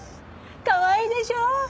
かわいいでしょ！